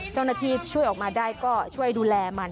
เจ้าหน้าที่ช่วยออกมาได้ก็ช่วยดูแลมัน